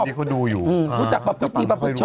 ผมสงสารคุณผู้ชมที่เขาดูอยู่